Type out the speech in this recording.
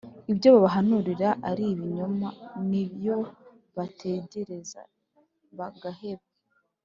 Ibyo babahanurira ari ibinyoma niyo bazategereza bagaheba